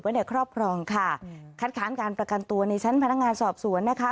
ในครอบครองค่ะคัดค้านการประกันตัวในชั้นพนักงานสอบสวนนะคะ